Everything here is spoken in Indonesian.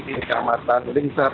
di kecamatan linsar